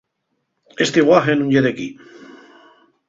Esi guaḥe nun ye d'equí.